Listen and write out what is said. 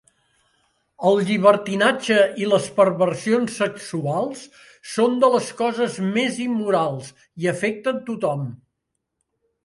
El llibertinatge i les perversions sexuals són de les coses més immorals i afecten tothom.